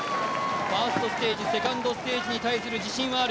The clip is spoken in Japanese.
ファーストステージ、セカンドステージに対する自信はある。